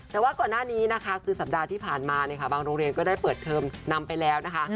แต่ว่าก่อนหน้านี้นะคะคือสัปดาห์ที่ผ่านมาเนี่ยค่ะบางโรงเรียนก็ได้เปิดเทอมนำไปแล้วนะคะ